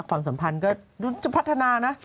ความสัมพันธ์ก็พัฒนานะ